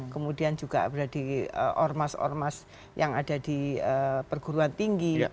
kemudian juga berada di ormas ormas yang ada di perguruan tinggi